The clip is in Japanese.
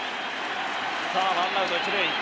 さあワンアウト一塁。